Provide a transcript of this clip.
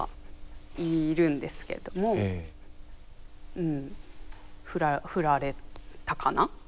うん振られたかな。